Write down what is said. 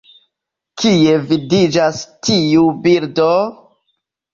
Kie vidiĝas tiu bildo?